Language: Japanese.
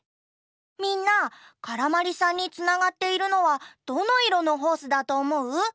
みんなからまりさんにつながっているのはどのいろのホースだとおもう？